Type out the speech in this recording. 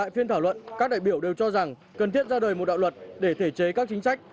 phiên thảo luận các đại biểu đều cho rằng cần thiết ra đời một đạo luật để thể chế các chính sách